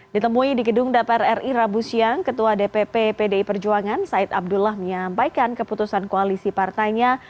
ditemui di gedung dpr ri rabu siang ketua dpp pdi perjuangan said abdullah menyampaikan keputusan koalisi partainya